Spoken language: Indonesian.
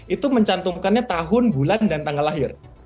itu mencantumkannya tahun bulan dan tanggal lahir